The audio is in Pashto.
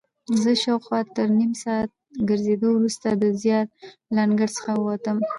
زه شاوخوا تر نیم ساعت ګرځېدو وروسته د زیارت له انګړ څخه ووتم.